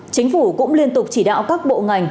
chính phủ cũng liên tục chỉ đạo các bộ ngành